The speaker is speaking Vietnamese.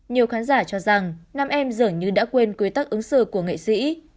nhiều khán giả cho rằng nam em dường như đã quên quy tắc ứng xử của nghệ sĩ